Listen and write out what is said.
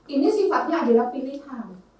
ini sifatnya adalah pilihan